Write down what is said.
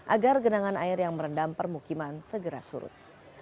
agar genangan air yang merendam permukiman segera surut